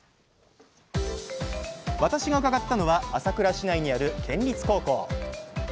私が伺ったのは朝倉市内にある県立高校。